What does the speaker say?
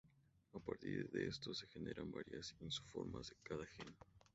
A partir de estos se generan varias isoformas de cada gen.